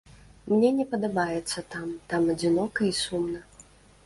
Мне не падабаецца там, там адзінока і сумна.